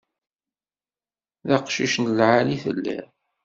D aqcic n lɛali i telliḍ.